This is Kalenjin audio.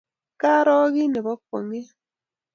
Karo kit ne po kwong'et